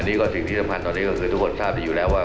นี่ก็สิ่งที่สำคัญตอนนี้ก็คือทุกคนทราบดีอยู่แล้วว่า